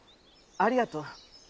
ありがとう。